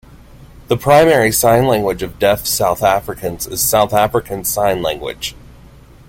The primary sign language of Deaf South Africans is South African Sign Language.